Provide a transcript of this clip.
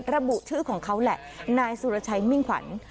ระบุชื่อของเขาแหละนายสุรชัยมิ่งขวัญ